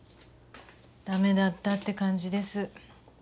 駄目だったって感じです。